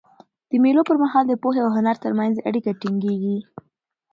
د مېلو پر مهال د پوهي او هنر ترمنځ اړیکه ټینګيږي.